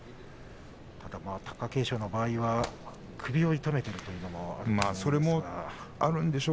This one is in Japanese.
貴景勝の場合は首を痛めているということもあります。